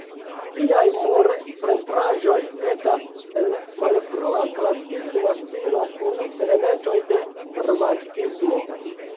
Liaj murpentraĵoj estas en malfrua klasikisma stilo kun elementoj de romantikismo.